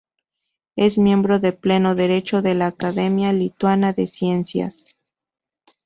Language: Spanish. Es miembro de pleno derecho de la Academia Lituana de Ciencias.